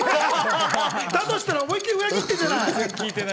だとしたら思いっきり裏切ってるじゃない！